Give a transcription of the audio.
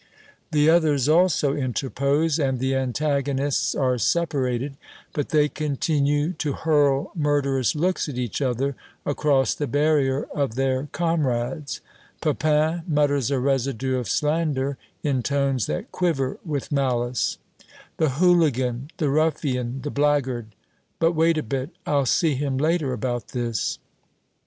The others also interpose, and the antagonists are separated, but they continue to hurl murderous looks at each other across the barrier of their comrades. Pepin mutters a residue of slander in tones that quiver with malice "The hooligan, the ruffian, the blackguard! But wait a bit! I'll see him later about this!"